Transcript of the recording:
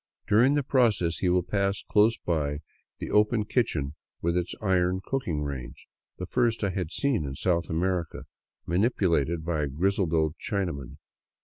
During the process he will pass close by the open kitchen with its iron cooking range — the first I had seen in South America — manipulated by a grizzled old Chinaman.